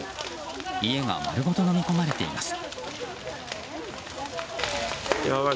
家が丸ごとのみ込まれています。